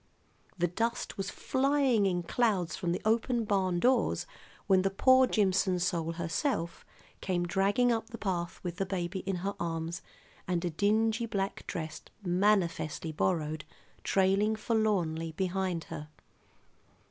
The dust was flying in clouds from the open barndoors when the "poor Jimson soul" herself came dragging up the path with the baby in her arms and a dingy black dress, manifestly borrowed, trailing forlornly behind her.